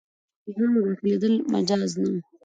فقیهانو داخلېدل مجاز نه وو.